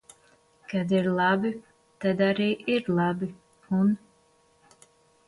Kad ir labi, tad arī ir labi, un.